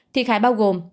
thiệt hại bao gồm